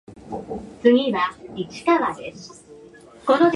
一人じゃ何一つ気づけなかっただろう。こんなに大切な光に。